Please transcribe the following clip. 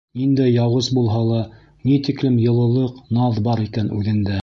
Ниндәй яуыз булһа ла, ни тиклем йылылыҡ, наҙ бар икән үҙендә.